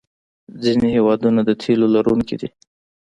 ځینې هېوادونه د تیلو لرونکي دي.